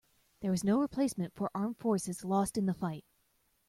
There was no replacement for armed forces lost in the fight.